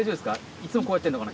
いつもこうやってんのかな？